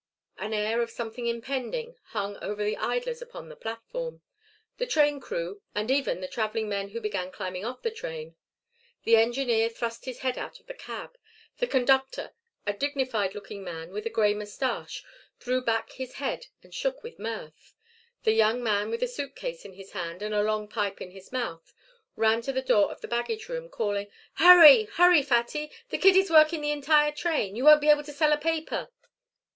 An air of something impending hung over the idlers upon the platform, the train crew, and even the travelling men who began climbing off the train. The engineer thrust his head out of the cab; the conductor, a dignified looking man with a grey moustache, threw back his head and shook with mirth; a young man with a suit case in his hand and a long pipe in his mouth ran to the door of the baggage room, calling, "Hurry! Hurry, Fatty! The kid is working the entire train. You won't be able to sell a paper."